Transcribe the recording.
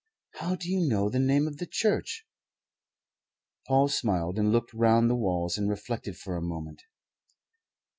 "How do you know the name of the church?" Paul smiled and looked round the walls, and reflected for a moment.